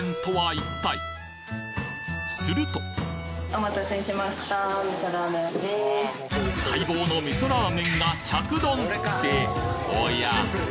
すると待望の味噌ラーメンが着丼！っておや！？